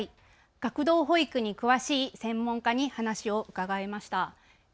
学童保育に詳しい専門家に話を伺いました。